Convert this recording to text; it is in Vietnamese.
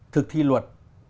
thực thi luật